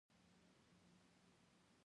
• د ورځې بریا د انسان د هڅو نتیجه ده.